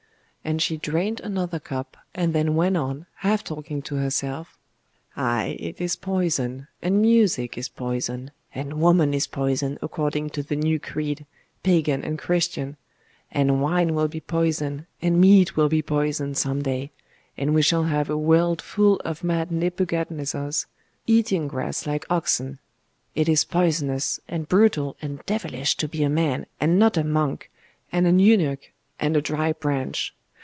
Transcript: And she drained another cup, and then went on, half talking to herself 'Ay, it is poison; and music is poison; and woman is poison, according to the new creed, Pagan and Christian; and wine will be poison, and meat will be poison, some day; and we shall have a world full of mad Nebuchadnezzars, eating grass like oxen. It is poisonous, and brutal, and devilish, to be a man, and not a monk, and an eunuch, and a dry branch.